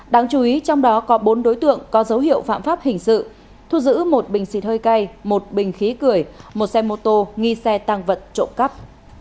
đáng chú ý trong đó có bốn đối tượng có dấu hiệu phạm pháp hình sự thu giữ một bình xịt hơi cay một bình khí cười một xe mô tô nghi xe tăng vật trộm cắp